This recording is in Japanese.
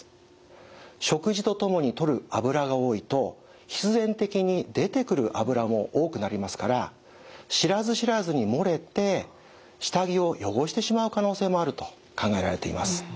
食事と共にとる脂が多いと必然的に出てくる脂も多くなりますから知らず知らずにもれて下着を汚してしまう可能性もあると考えられています。